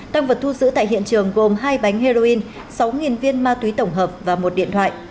tăng vật thu giữ tại hiện trường gồm hai bánh heroin sáu viên ma túy tổng hợp và một điện thoại